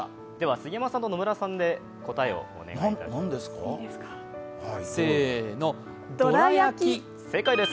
杉山さんと野村さんで正解をお願いします。